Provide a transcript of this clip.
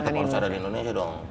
tetap harus ada di indonesia dong